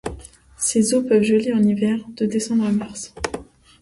Ses eaux peuvent geler en hiver, de décembre à mars.